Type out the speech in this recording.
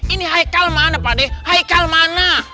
ini haikal mana pak deh hai haikal mana